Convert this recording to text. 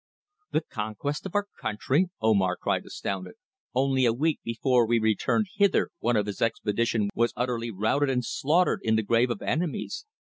"The conquest of our country!" Omar cried astounded. "Only a week before we returned hither one of his expeditions was utterly routed and slaughtered in the Grave of Enemies.